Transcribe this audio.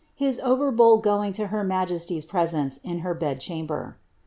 his over bold going to her majesty's presence in her bed chami)er."